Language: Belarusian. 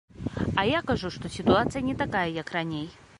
А я кажу, што сітуацыя не такая, як раней.